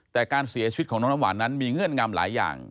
แต่การเสียชีวิตของน้องน้ำหวานนั้นมีเงื่อนงำหลายอย่าง